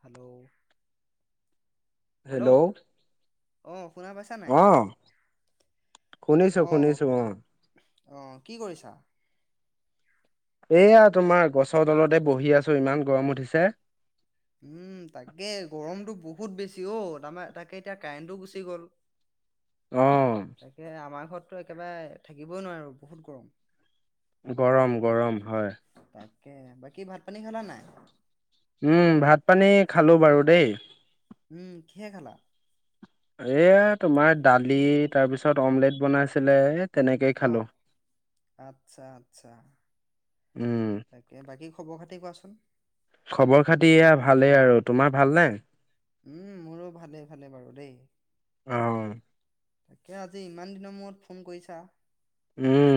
Hello. Hello অঁ' শুনা পাইছা নাই? অ শুনিছো শুনিছো অঁ'। অঁ' কি কৰিছা? এইয়া তোমাৰ গছৰ তলতে বহি আছো ইমান গৰম উঠিছে। উমঁ' তাকে, গৰমটো বহুত বেছি অ' তাৰমানে তাকে এতিয়া কাৰেণ্টো গুচি গ'ল। অ তাকে, আমাৰ ঘৰততো একেবাৰে থাকিবই নোৱাৰোঁ বহুত গৰম। গৰম গৰম হয়। তাকে, বাকী ভাত পানী খালা নাই! উমঁ' ভাত পানী খালো বাৰু দেই। উমঁ' কিহে খালা? এইয়া তোমাৰ দালি তাৰ পিছত অমলেট বনাইছিলে তেনেকেই খালো। আচ্ছা-আচ্ছা'। উম তাকে, বাকী খবৰ খাতি কোৱাচোন? খবৰ খাতি এয়া ভালেই আৰু। তোমাৰ ভাল নে? উমঁ' মোৰো ভালেই ভালে বাৰু দেই। অঁ। তাকে আজি ইমান দিনৰ মূৰত ফোন কৰিছা। উমঁ'।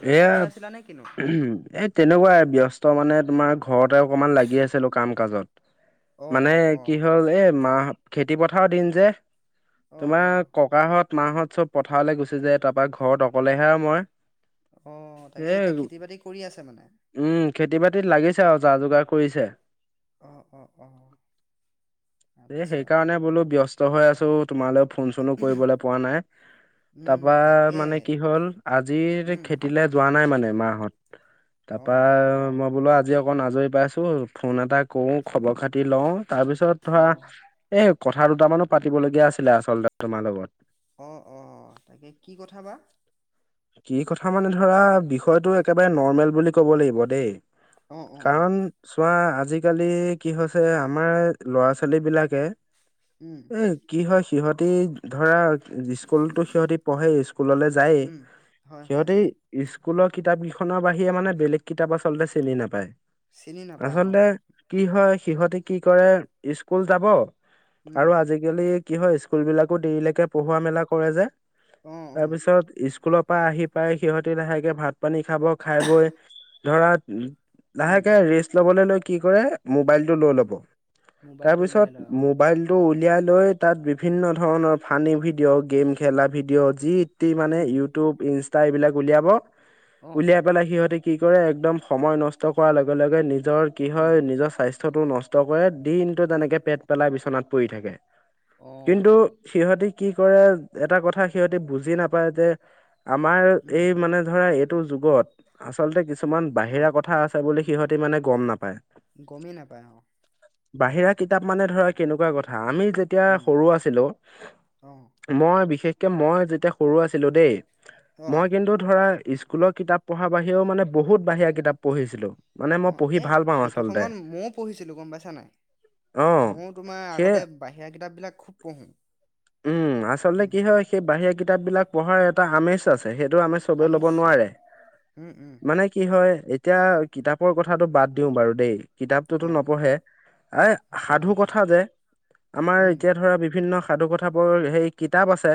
ব্যস্ত এইয়া হৈ আছিলা নে কিনো এ তেনেকুৱাই, ব্যস্ত মানে তোমাৰ ঘৰতে অকমান লাগি আছিলো কাম কাজত। অ মানে অ অ কি হ'ল এই মাহ, খেতি পথাৰৰ দিন যে, অ তোমাৰ অ ক ককাহঁত, মাহঁত চ'ব পথাৰলৈ গুচি যায় তাৰপৰা ঘৰত অকলেহে আৰু মই। অঁ' তাকে এতিয়া খেতি বাতি কৰি আছে মানে। উমঁ' খেতি বাতিত লাগিছে আৰু যা-যোগাৰ কৰিছে। অ', অ', অ', এ আচ্ছা, সেইকাৰণে বোলো ব্যস্ত হৈ আছো তোমালৈ ফোন-চোনো কৰিবলৈ পোৱা নাই তাৰ উম, পৰা তাকে, মানে কি হ'ল আজিৰ উম, ৱে যোৱা নাই মানে মাহত। তাৰ অ', পৰা অ', মই অ', বোলো আজি অকণ আজৰি পাইছো ফোন এটা কৰো খবৰ খাতি লওঁ তাৰপিছত ধৰা অ', এ কথা দুটামানো পাতিবলগীয়া আছিলে আচলতে তোমাৰ লগত অ অ তাকে কি কথা বা কি কথা মানে ধৰা বিষয়টো একেবাৰে নৰ্মেল বুলি কব লাগিব দেই অ', অ', অ', কাৰণ চোৱা আজিকালি কি হৈছে আমাৰ ল'ৰা ছোৱালী বিলাকে উম, এ কি হয় সিহতি ধৰা স্কুলতো সিহঁতি পঢ়ে স্কুললৈ যায়েই উম, হয়, হয়, সিহঁতে স্কুলৰ কিতাপ কেইখনৰ বাহিৰে মানে বেলেগ কিতাপ আচলতে চিনি নাপায় চিনি নাপায় অ', আচলতে কি হয় সিহঁতে কি কৰে স্কুল যাব উম, আৰু আজিকালি কি হয় স্কুল বিলাকো দেৰিলৈকে পঢ়োৱা মেলা কৰে যে অ', অ', তাৰপিছত স্কুলৰ পৰা আহি পাই সিহঁতি লাহেকে ভাত পানী খাব খাই বৈ ধৰা উম, লাহেকে ৰেচ লবলৈ লৈ কি কৰে অ', মোবাইলটো উলিয়াই লয় অ', মোবাইল [unintelligible] টো উলিয়াই লৈ তাত বিভিন্ন ধৰণৰ ফানী ভিডিঅ' গেম খেলা ভিডিঅ' জিত মানে উম, ইউটিউব ইনষ্টা এইবিলাক উলিয়াব অ', উলিয়াই পেলাই সিহঁ কি কৰে একদম সময় নষ্ট কৰাৰ লগে লগে নিজৰ কি উম, হয় নিজৰ স্বাস্থ্য সটো নষ্ট কৰে দিনটো তেনেকে পেট পেলাই বিচনাত পৰি থাকে কিন্তু অ', সিহঁতি কি কৰে এটা কথা সিহঁতি বুজি নাপায় যে আমাৰ উম, এই মানে ধৰা এইটো যুগত আচলতে কিছুমান অ', বাহিৰা কথা আছে বুলি সিহঁতি মানে গম নাপায় গমেই নাপায় অ বাহিৰা কিতাপ মানে ধৰা কেনেকুৱা কথা আমি যে যেতিয়া উম, সৰু আছিলো অ', মই বিশেষকে মই যেতিয়া সৰু আছিলো দেই মই অ', কিন্তু ধৰা স্কুলৰ কিতাপ পঢ়াৰ বাহিৰেও মানে বহুত বাহিৰা কিতাপ পঢ়িছিলো মানে মই অঁ পঢ়ি এই ভাল পাওঁ সেইটো আচলতে সময়ত ময়ো পঢ়িছিলোঁ গম পাইছা নাই অ ময়ো তোমাৰ সেই আগতে বাহিৰা কিতাপবিলাক খুব পঢ়োঁ উম আচলতে উম কি হয় সেই বাহিৰা কিতাপ বিলাক পঢ়াৰ এটা আমেজ আছে সেইটো আমেজ চবে ল'ব আছে নোৱাৰে হয় উম উম মানে কি হয় এতিয়া কিতাপৰ কথাটো বাদ দিওঁ বাৰু দেই কিতাপটোতো অ নপঢ়ে আ সাধু নপঢ়ে হয় কথা যে আমাৰ উম এতিয়া ধৰা বিভিন্ন সাধু কথাবোৰ সেই কিতাপ আছে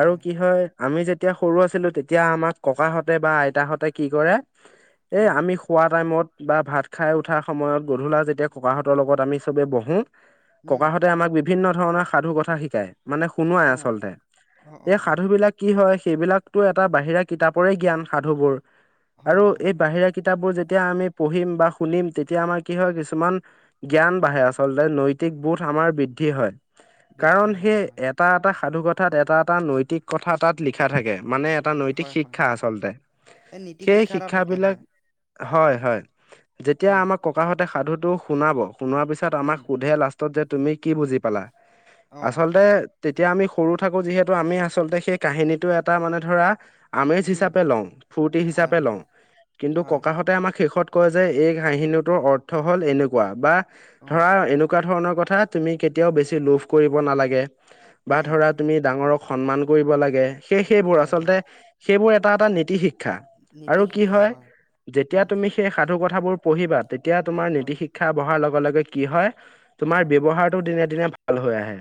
আৰু কি হয় আমি যেতিয়া সৰু আছিলো তেতিয়া আমাৰ ককাহঁতে বা আইতাহঁতে কি কৰে এ অ আমি খোৱা টাইমত বা ভাত খাই উঠাৰ সময়ত গধূলা যেতিয়া ককাহঁতৰ লগত আমি চবেই বহোঁ উম ককাহঁতে আমাক বিভিন্ন ধৰণৰ সাধু কথা শিকায় মানে শুনোৱাই অ আচলতে অ অ এই অ সাধু বিলাক কি হয় সেইবিলাকতো এটা বাহিৰা কিতাপৰে জ্ঞান সাধু বোৰ হয় আৰু হয় এই বাহিৰা কিতাপবোৰ যেতিয়া আমি পঢ়িম বা শুনিম তেতিয়া আমাৰ কি হয় কিছুমান জ্ঞান উম বাঢ়ে আছে আচলতে নৈতিক বোথ আমাৰ বৃদ্ধি হয় বৃদ্ধি কাৰণ হয় সেই হয় এটা এটা সাধুকথাত এটা এটা নৈতিক কথা তাত লিখা থাকে মানে এটা নৈতিক হয় হয় শিক্ষা আচলতে এই নীতি সেই এটা শিক্ষা থাকে বিলাক হয় হয় উম হয় যেতিয়া উম আমাক ককাহঁতে সাধুটো শুনাব শুনাৰ পিছত আমাক উম সোধে লাষ্টত যে তুমি কি বুজি পালা অ আচলতে তেতিয়া আমি সৰু থাকো যিহেতু আমি আচলতে সেই কাহিনীটো এটা মানে ধৰা আমেজ উম হিচাপে লওঁ ফূৰ্তি হয় হিচাপে হয় লওঁ কিন্তু হয় ককাহঁত আমাক শেষত কয় যে এই কাহিনীটোৰ অৰ্থ হ'ল এনেকুৱা বা অ ধৰা এনেকুৱা এনেকুৱা ধৰণৰ কথা তুমি কেতিয়াও বেছি লোভ কৰিব নালাগে বা উম ধৰা তুমি ডাঙৰক সন্মান কৰিব লাগে, সেই-সেইবোৰ হয় হয় আচলতে সেইবোৰ এটা এটা নীতি শিক্ষ নীতি আৰু কি শিক্ষা হয় যেতিয়া উম তুমি সেই সাধু কথাবোৰ পঢ়িবা তেতিয়া তোমাৰ নীতি হয় শিক্ষা শিক্ষা বহাৰ লগে লগে কি হয়? তুমাৰ উম ব্যয়ৱহাৰটো দিনে দিনে ভাল হৈ আহে।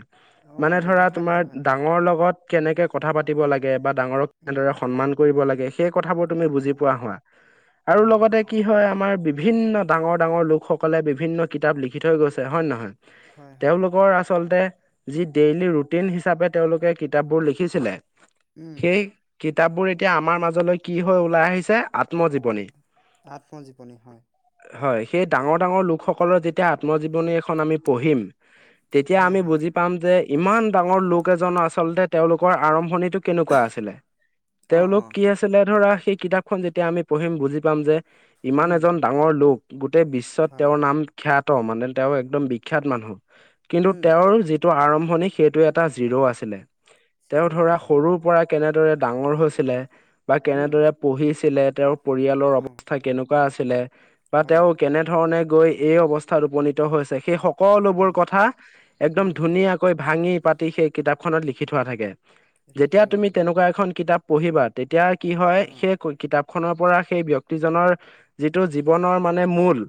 অ মানে ধৰা ব্যৱহাৰ তোমাৰ ভাল হয় হয় ডাঙৰ লগত কেনেকে কথা পাতিব লাগে বা ডাঙৰক উম কেনেদৰে সন্মান কৰিব লাগে সেই কথাবোৰ তুমি হয় বুজি পোৱা হোৱা আৰু হয় হয় লগতে কি হয় আমাৰ বিভিন্ন ডাঙৰ ডাঙৰ লোকসকলে বিভিন্ন কিতাপ লিখি থৈ গৈছে হয় নে নহয়? হয় হয় হয়। তেওঁলোকৰ আচলতে যি ডেইলি ৰুটিন হিচাপে তেওঁলোকে কিতাপবোৰ লিখিছিলে উম। সেই কিতাপবোৰ এতিয়া আমাৰ মাজলৈ কি হৈ ওলাই আহিছে আত্মজীৱনী। আত্মজীৱনী হয়। হয় সেই ডাঙৰ ডাঙৰ লোকসকলৰ যেতিয়া আত্মজীৱনী এখন আমি পঢ়িম তেতিয়া হয়, আমি হয়, বুজি পাম যে ইমান ডাঙৰ লোক এজ আচলতে তেওঁলোকৰ আৰম্ভণিটো কেনেকুৱা আছিলে অ', তেওঁলোক অ'। কি আছিলে ধৰা সেই কিতাপখন যেতিয়া আমি পঢ়িম বুজি পাম যে ইমান উম, এজন ডাঙৰ লোক, গোটেই বিশ্বত হয়, তেওঁৰ নাম খ্যাত মানে তেওঁৰ একদম বিখ্যাত মানুহ। কিন্তু উম, তেওঁৰ যিটো আৰম্ভণি সেইটো এটা জিৰ' আছিলে। তেওঁ জিৰ' ধৰা জিৰ' সৰুৰ হয়, পৰাই কেনেৰে ডাঙৰ হৈছিলে, বা উম, কেনেদৰে পঢ়িছিলে, তেওঁৰ পৰিয়ালৰ অ', অৱস্থা কেনেকুৱা আছিলে? বা তেওঁ অ', কেনেধৰণে গৈ এই অৱস্থাত উপনীত হৈছে সেই সকলোবোৰ উম, কথা একদম উম, ধুনীয়াকৈ ভাঙি-পাতি সেই কিতাপখনত লিখি থোৱা থাকে। যেতিয়া লিখিত তুমি থাকে হয়, তেনেকুৱা এখন কিতাপ পঢ়িবা তেতিয়া কি হয় অ', সেই কিতাপ খনৰ পৰা সেই ব্যক্তিজনৰ যিটো জীৱনৰ মানে মূল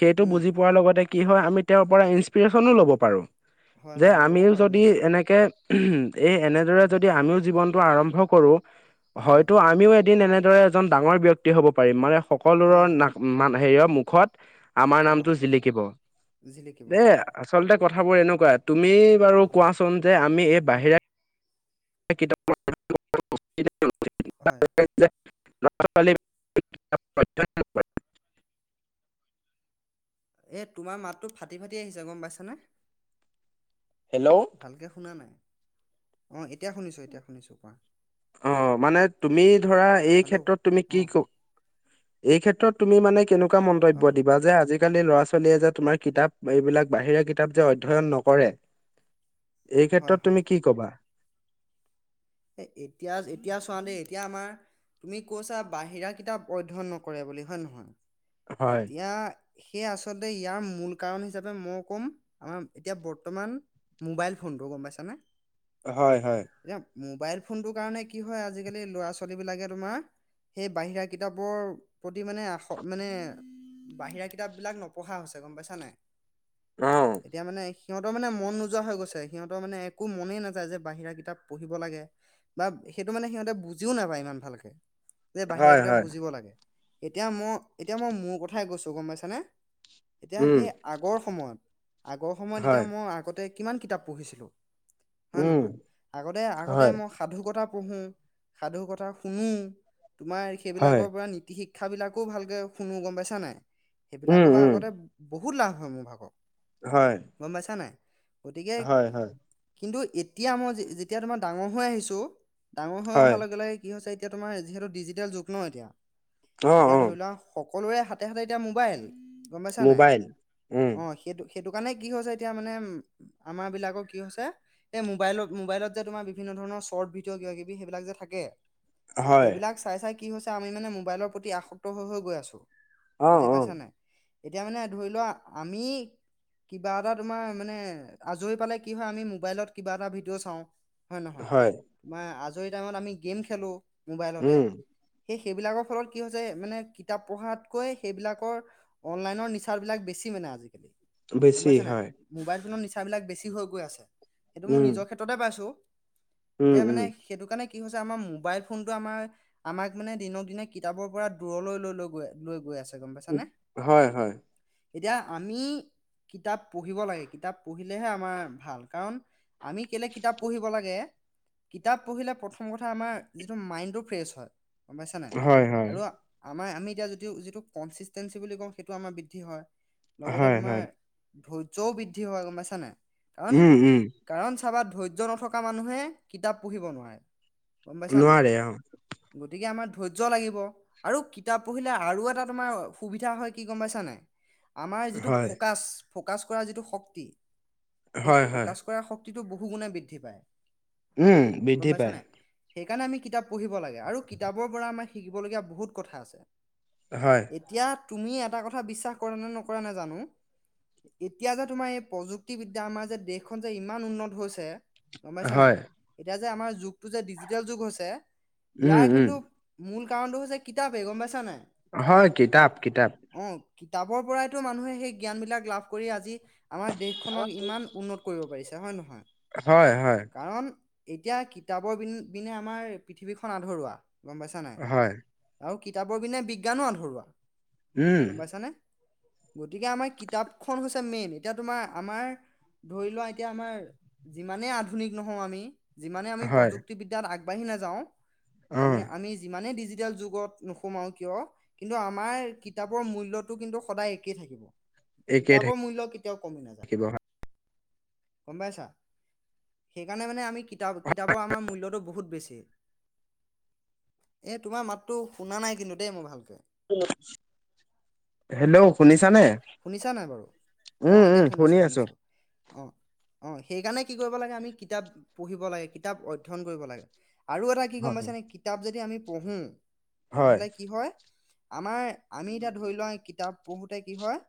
সেইটো উম, বুজি পোৱাৰ লগতে কি হয় আমি তেওঁৰ পৰা ইনসপ্ৰেশ্যনো ল'ব পাৰোঁ। হয়, যে হয়, ল'ব আমিও পাৰোঁ যদি নিশ্চয়, এনেকে এনেদৰে এই উম, যদি আমিও জীৱন আৰম্ভ কৰো। উম, হয়তো আমিও এদিন এনেদৰে এজন ডাঙৰ ব্য়ক্তি হ'ব পাৰিম মানে সকলোৰ হয়, না হয়, মা হেৰিয়ৰ মুখত আমাৰ অ', নামটো জিলিকিব। জিলিকিব দে হয়, আচলতে কথাবোৰ এনেকুৱা তুমি বাৰু অ'। কোৱাচোন যে আমি এই উম, বাহিৰা কিত হয়, [unintelligible] [unintelligible] এই তোমাৰ মাতটো ফাটি ফাটি আহিছে গম পাইছানে? হেল্ল'। ভালকৈ শুনা নাই। অ এতিয়া শুনিছোঁ এতিয়া শুনিছোঁ কোৱা। অ মানে তুমি ধৰা এই হেল্ল', ক্ষেত্ৰত তুমি কি অ', ক এই ক্ষেত্ৰত তুমি মানে কেনেকুৱা মন্তব্য অ', দিবা যে আজি আজিকালি ল'ৰা ছোৱালীয়ে যে তোমাৰ কিতাপ এইবিলাক বাহিৰা কিতাপ যে অধ্যয়ন নকৰে এই হয়, ক্ষেত্ৰত হয়। তুমি কি কবা? এ এতিয়া এতিয়া চোৱ দেই এতিয়া আমাৰ তুমি কৈছা বাহিৰা কিতাপ অধ্যয়ন নকৰে বুলি হয়ে নহয় হয়। এতিয়া সেয়ে আচলতে ইয়াৰ মূল কাৰণ হিচাপে মই ক'ম আমাৰ এতিয়া বৰ্তমান মোবাইল ফোনটো গম পাইছানে? হয় হয়। এতিয়া মোবাইল ফোনটোৰ কাৰণে কি হয় আজিকালি ল'ৰা ছোৱালী বিলাকে তোমাৰ সেই বাহিৰা কিতাপৰ প্ৰতি মানে আ মানে বাহিৰা কিতাপ বিলাক নপঢ়া হৈছে গ'ম পাইছা নে নাই? অহ এতিয়া মানে সিহঁতৰ মানে মন নোযোৱা হৈ গৈছে, সিহঁতৰ মানে একো মনেই নাযায় যে বাহিৰা কিতাপ পঢ়িব লাগে বা সেইটো মানে সিহঁতে বুজিও নাপায় ইমান ভালকে।। যে বাহিৰা হয় কিতাপ হয় বুজিব লাগে, এতিয়া মই এতিয়া মই মোৰ কথাই গৈছো গ'ম পাইছানে! এতিয়া উম সেই আগৰ সময়ত আগৰ সময়ত এতিয়া হয়। মই আগতে কিমান কিতাপ পঢ়িছিলোঁ হয় নে উম নহয়? আগতে আগতে হয়। মই সাধু কথা পঢ়োঁ, সাধু কথা শুনো, তোমাৰ হয় সেইবিলাকৰ পৰা নীতি শিক্ষ শিক্ষাবিলাকো ভালকৈ শুনো গম পাইছা নে নাই? উম সেইবিলাকৰ পৰা উম আগতে বহুত লাভ হয় মোৰ ভাগৰ। হয়। গ'ম পাইছা নে নাই? গতিকে হয় হয়। কিন্তু এতিয়া মই যেতিয়া তোমাৰ ডাঙৰ হৈ আহিছো ডাঙৰ হৈ হয় অহাৰ লগে লগে কি হৈছে এতিয়া তোমাৰ যিহেতু ডিজিটেল যুগ ন' এতিয়া অ এতিয়া অ ধৰি লোৱা সকলোৰে হাতে হাতে এতিয়া মোবাইল গম পাইছা নে নাই? মোবাইল উম অ' সেইটো সেইটো কাৰণে কি হৈছে এতিয়া মানে উ, আমাৰ বিলাকৰ কি হৈছে এই মোবাইলত মোবাইলত যে তোমাৰ বিভিন্ন ধৰণৰ শৰ্ট ভিডিঅ' কিবা কিবি সেইবিলাক যে থাকে হয়। সেইবিলাক চাই চাই কি হৈছে আমি মানে মোবাইলৰ প্ৰতি আসক্ত হৈ হৈ গৈ আছো অ বুজি অ পাইছ নে নাই? এতিয়া মানে ধৰি লোৱা আমি কিবা এটা তোমাৰ মানে আজৰি পালে কি হয়, আমি মোবাইলত কিবা এটা ভিডিঅ' চাওঁ। হয় নে নহয়? তোমাৰ আজৰি টাইমত আমি গেম খেলো মোবাইলতে। উম সেই সেইবিলাকৰ ফলত কি হৈছে মানে কিতাপ পঢ়াতকৈ সেইবিলাকৰ অনলাইনৰ নিচাৰ বিলাক বেছি মানে আজিকালি। গ'ম বেছি পাইছে নে নাই? হয়। মোবাইল ফোনৰ নিচাবিলাক বেছি হৈ গৈ আছে সেইটো মই উম নিজৰ ক্ষেত্ৰতে পাইছোঁ। উম এতিয়া উম মানে সেইটো কাৰণে কি হৈছে আমাৰ মোবাইল ফোনটো আমাৰ আমাক মানে দিনক দিনে কিতাপৰ পৰা দূৰলৈ লৈ লৈ গৈ লৈ গৈ আছে। গম পাইছা নে! হয় হয় এতিয়া আমি কিতাপ পঢ়িব লাগে কিতাপ পঢ়িলেহে আমাৰ ভাল কাৰণ, আমি কেলে কিতাপ পঢ়িব লাগে। কিতাপ পঢ়িলে প্ৰথম কথা আমাৰ যিটো মাইণ্ডটো ফ্ৰেছ হয়। গ'ম পাইছ নে নাই! হয় হয় আৰু আমাৰ আমি এতিয়া যিটো যিটো কনচিষ্টেঞ্চি বুলি কওঁ সেইটো আমাৰ বৃদ্ধি হয়, লগতে হয়, তোমাৰ হয়। ধৈৰ্যও বৃদ্ধি হয় গম পাইছানে নাই! কাৰণ উম, উম, কাৰণ, চাবাত ধৈৰ্য্য নথকা মানুহে কিতাপ পঢ়িব নোৱাৰে গম পাইছানে নাই? নোৱাৰে অ', গতিকে আমাৰ ধৈৰ্য লাগিব। আৰু কিতাপ পঢ়িলে আৰু এটা তোমাৰ সুবিধা হয় কি গ'ম পাইছা নে নাই? আমাৰ যিটো হয়, ফকাছ ফকাছ কৰা যিটো শক্তি সেই হয়, হয়। ফকাছ কৰা শক্তিটো বহু গুণে বৃদ্ধি পায়। উম। বৃদ্ধি গম পাইছা নে পায়। নাই? সেইকাৰণে আমি কিতাপ পঢ়িব লাগে আৰু কিতাপৰ পৰা আমাৰ শিকিবলগীয়া বহুত কথা আছে। হয়। এতিয়া তুমি এটা কথা বিশ্বাস কৰা নে নকৰা নেজানো। এতিয়া যে তোমাৰ এই প্ৰযুক্তিবদ্যা আমাৰ যে দেশখন যে ইমান উন্নত হৈছে। গম পাইছানে নাই! হয়, এতিয়া যে আমাৰ যুগটো যে ডিজিটেল যুগ হৈছে উম, ইয়াৰ উম, কিন্তু মূল কাৰণটো হৈছে কিতাপে গম পাইছা নে নাই? হয়, কিতাপ কিতাপ। অ', কিতাপৰ পৰাইতো মানুহে সেই জ্ঞান বিলাক লাভ কৰি আজি আমাৰ দেশখনক ইমান উন্নত কৰিব পাৰিছে হয় নে নহয়? হয় হয়। কাৰণ এতিয়া কিতাপৰ বি বিনে আমাৰ পৃথিৱীখন আধৰুৱা। গম পাইছা নাই হয়, আৰু কিতাপৰ পনে বিজ্ঞানো আধৰোৱা। উম, গম পাইছানে গতিকে আমাৰ কিতাপখন হৈছে মেইন এতিয়া তোমাৰ আমাৰ। ধৰি লোৱা এতিয়া আমাৰ যিমানে আ। আধুনিক নহও আমি যিমানে আমি হয়, প্ৰযুক্তিব বিদ্যাত আগবাঢ়ি নাযাওঁ। অ', আমি আমি যিমানে ডিজিটেল যুগত। নোখোমাও কিয় কিন্তু আমাৰ কিতাপৰ মূল্যটো কিন্তু সদায় একেই থাকে। একেই কিতাপৰ থাকি মূল্য কেতিয়াও কমি নাযায় থাকিব হয়। গম পাইছা? সেইকাৰণে মানে আমি কিতাপ কিতাপৰ আমাৰ মূল্যটো বহুত বেছি। এই তোমাৰ মাতটো শুনা নাই কিন্তু দেই মই ভালকে। উম। হেল্ল' অ শুনিছানে? শুনিছা নাই বাৰু অ উম উম এতিয়া শুনি শুনিছো আছোঁ। শুনিছো অ অ সেইকাৰণে কি কৰিব লাগে আমি কিতাপ পঢ়িব লাগে কিতাপ অধ্যয়ন কৰিব লাগে। আৰু এটা কি গম হয়, পাইছেনে কিতাপ যদি আমি পঢ়োঁ হয়, তেনেহ'লে কি হয় আমাৰ। আমি এতিয়া ধৰি লোৱা কিতাপ পঢ়োতে কি হয়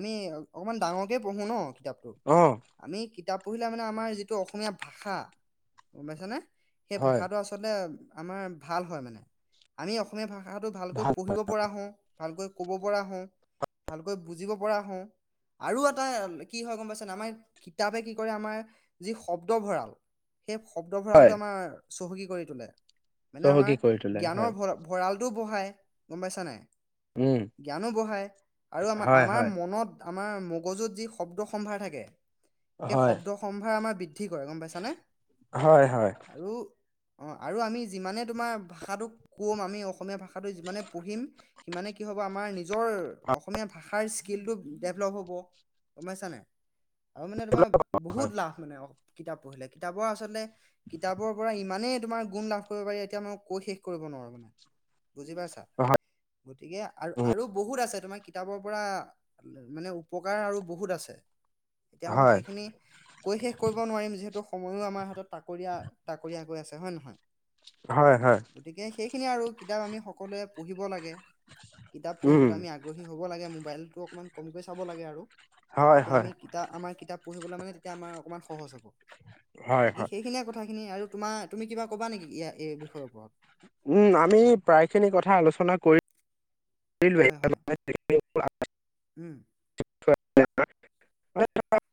আমি অকমান ডাঙৰকে পঢ়ো ন কিতাপটো? অ। আমি কিতাপ পঢ়িলে মানে আমাৰ যিটো অসমীয়া ভাষা গম পাইছ নে সেই হয়, ভাষাটো আচল। আচতে আমাৰ ভাল হয় মানে আমি অসমীয়া ভাষাটো ভালকৈ ভাল পঢ়িব পৰা হওঁ। ভালকৈ ক'ব পৰা হওঁ ভালকৈ বুজিব পৰা হওঁ। আৰু এটা কি হয় গম পাইছান আমাৰ কিতাপে কি কৰে আমাৰ। যি শব্দ ভঁৰাল সেই শব্দ হয়, ভঁৰালটো আমাৰ চহকী কৰি তোলে। মানে আমাৰ চহকী কৰি তোলে জ্ঞানৰ হয়, ভ ভঁৰালটোও বঢ়ায় গম পাইছা নাই? উম, জ্ঞানো বঢ়ায় আৰু আমাৰ হয়, আমাৰ হয়, মনত। আমাৰ মগজুত যি শব্দ সম্ভাৰ থাকে সেই হয়, শব্দ সম্ভাৰ আমাৰ। ঠিক কৰে গম পাইছানে হয়, হয়, আৰু। অঁ আৰু আমি যিমানে তোমাৰ ভাষাট কম আমি অসমীয়া ভাষাটো যিমানে পঢ়িম। সিমানে কি হ'ব আমাৰ নিজৰ অসমীয়া ভাষাৰ স্কিলটো ডেভলপ হ'ব। গম পাইছানাই আৰু মানে তোমাৰ বহুত হয়, লাভ মানে কিতাপ পঢ়িলে কিতাপৰ আচলতে। কিতাপৰ পৰা ইমানেই তোমাৰ গুণ লাভ কৰিব পাৰি এতিয়া মই কৈ শেষ কৰিব নোৱাৰো মানে। বুজি পাইছা, হয়, গতিকে আৰু উম, আৰু বহুত আছে তোমাৰ কি। কিতাপৰ পৰা মানে উপকাৰ আৰু বহুত আছে এতিয়া মই হয়, সেইখিনি। কৈ শেষ কৰিব নোৱাৰিম যিহেতু সময়ো আমাৰ হাতত তাকৰীয়া তাকৰীয়া গৈ আছে হয় নে নহয়? হয় হয়। গতিকে সেইখিনি আৰু কিতাপ আমি সকলোৱে পঢ়িব লাগে কিতাপ উম, পঢ়িবলৈ আমি আগ। আগ্ৰহী হ'ব লাগে ম'বাইলতটো অকণমান কমকৈ চাব লাগে আৰু হয়, তেতিয়া হয়, আমি কিতাপ আমাৰ কিতাপ পঢ়িবলৈ মানে। তেয়া আমাৰ অকমান সহজ হ'ব হয়, হয়। বাকি সেইখিনিয়ে কথাখিনি আৰু। তোমাৰ তুমি কিবা ক'বা নেকি ইয়াৰ এই বিষয়ৰ ওপৰত। উম আমি প্ৰায় খিনি কথা আলোচনা হয় হয় কৰিলোঁৱে। উম।